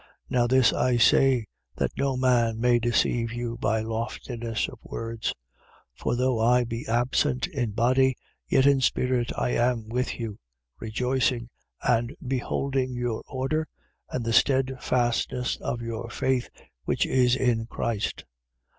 2:4. Now this I say, that no man may deceive you by loftiness of words. 2:5. For though I be absent in body, yet in spirit I am with you, rejoicing, and beholding your order and the steadfastness of your faith which is in Christ.